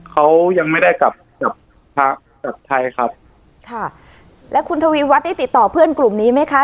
เขายังไม่ได้กลับกับพระชัดชัยครับค่ะแล้วคุณทวีวัฒน์ได้ติดต่อเพื่อนกลุ่มนี้ไหมคะ